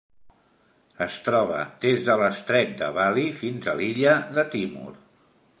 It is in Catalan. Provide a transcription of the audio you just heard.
Es troba des de l'estret de Bali fins a l'illa de Timor.